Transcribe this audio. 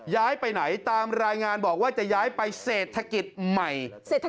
ย้ายไปไหนตามรายงานบอกว่าจะย้ายไปเศรษฐกิจใหม่